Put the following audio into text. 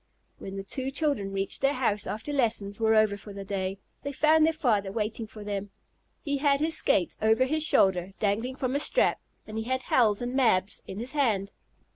When the two children reached their house, after lessons were over for the day, they found their father waiting for them. He had his skates over his shoulder, dangling from a strap, and he had Hal's and Mab's in his hand.